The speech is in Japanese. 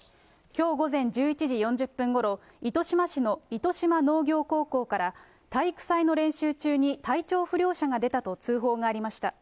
きょう午前１１時４０分ごろ、糸島市の糸島農業高校から、体育祭の練習中に体調不良者が出たと通報がありました。